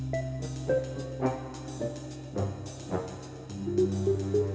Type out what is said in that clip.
tarsan beruntung tn